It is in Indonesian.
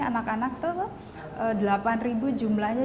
anak anak itu delapan ribu jumlahnya